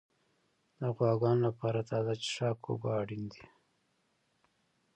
د غواګانو لپاره تازه څښاک اوبه اړین دي.